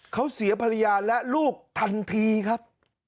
เขาเสียภรรยาและลูกทันทีครับ